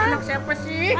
anak siapa sih